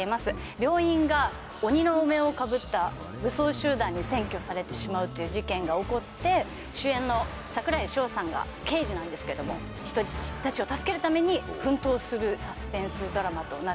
病院が鬼のお面をかぶった武装集団に占拠されてしまうという事件が起こって主演の櫻井翔さんが刑事なんですけども人質たちを助けるために奮闘するサスペンスドラマとなっております。